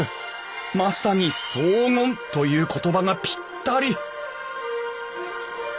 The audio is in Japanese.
まさに荘厳という言葉がピッタリ！